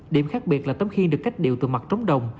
điểm khác biệt là tấm khi được cách điệu từ mặt trống đồng